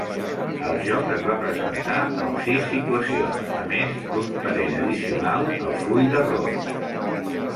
El joc es va presentar amb sis situacions, a més d'una parell addicional al full d'errors.